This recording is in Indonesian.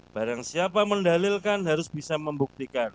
barang siapa mendalilkan harus bisa membuktikan